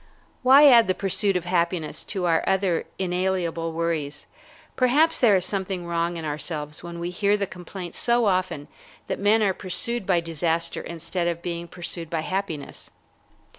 Why add the pursuit of happiness to our other inalienable worries? Perhaps there is something wrong in ourselves when we hear the complaint so often that men are pursued by disaster instead of being pursued by happiness.